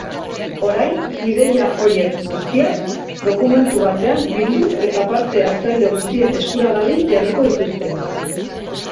Orain ideia horiek guztiak dokumentu batean bildu eta parte-hartzaile guztien eskuragarri jarriko dituzte.